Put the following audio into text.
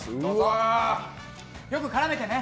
よく絡めてね。